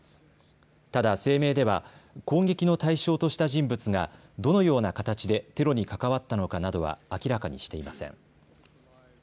ただ声明では攻撃の対象とした人物が、どのような形でテロに関わったのかなどは明らかにしていません。